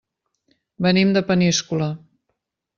Venim de Peníscola.